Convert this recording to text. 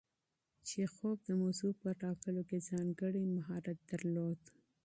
چیخوف د موضوع په ټاکلو کې ځانګړی مهارت درلود.